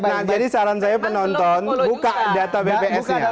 nah jadi saran saya penonton buka data bps nya